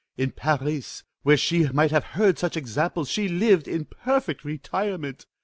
In Paris, where she might have heard such examples, she lived in perfect retirement.